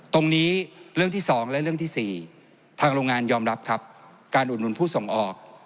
ตรงนี้เรื่องที่๒และเรื่องที่๔ทางโรงงานยอมรับครับการอุดหนุนผู้ส่งออก